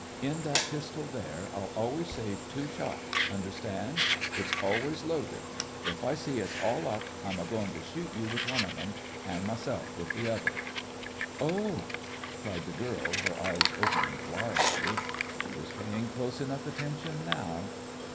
In that pistol there, I'll always save two shots understand? it's always loaded. If I see it's all up, I'm a goin' to shoot you with one of 'em, and myself with the other." "Oh!" cried the girl, her eyes opening wildly. She was paying close enough attention now.